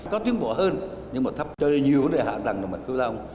có tiến bộ hơn nhưng mà thấp cho nên nhiều vấn đề hạ tầng của sông kiểu long